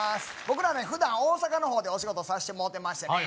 僕らね普段大阪の方でお仕事さしてもうてましてね